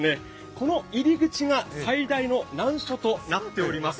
この入り口が最大の難所となっております。